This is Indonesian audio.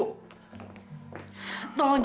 aku mau pergi